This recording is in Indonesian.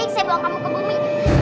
baik baik saya bawa kamu ke bumi